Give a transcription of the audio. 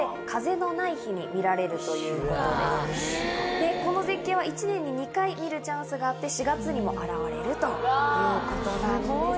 でこの絶景は１年に２回見るチャンスがあって４月にも現れるということなんです。